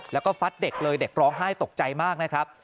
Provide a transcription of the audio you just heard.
แล้วก็ฟัดเด็กเลยเด็กร้องไห้ตกใจมากนะครับ